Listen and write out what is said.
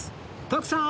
徳さん！